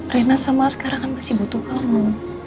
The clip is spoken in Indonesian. rina sama sekarang kan masih butuh kamu